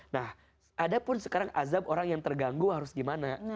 nah ada pun sekarang azab orang yang terganggu harus gimana